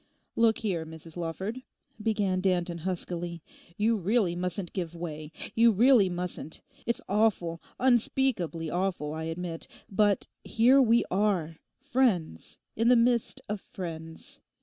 'Look here, Mrs Lawford,' began Danton huskily, 'you really mustn't give way; you really mustn't. It's awful, unspeakably awful, I admit. But here we are; friends, in the midst of friends.